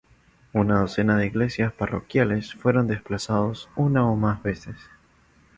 Una docena de iglesias parroquiales fueron desplazados una o más veces.